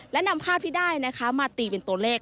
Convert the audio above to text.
และนำภาพที่ได้นะคะมาตีเป็นตัวเลข